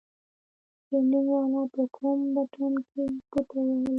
ټرېننگ والا په کوم بټن کښې گوته ووهله.